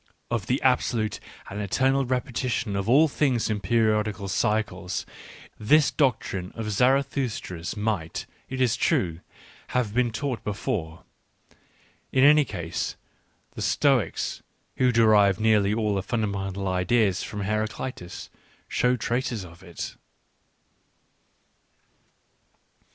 of the absolute and eternal repetition f of all things jp p?riQflfc^) liY*?!?? — this doctrine of Zarathustra's might, it is true, have been taught be fore. In any case, the Stoics, who derived nearly all their fundamental ideas from Heraclitus, show traces of it.